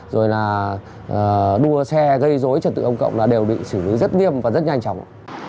rồi là đua xe gây dối trật tự công cộng là đều bị xử lý rất nghiêm và rất nhanh chóng